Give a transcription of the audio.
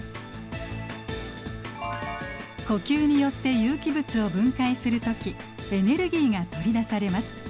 呼吸によって有機物を分解する時エネルギーが取り出されます。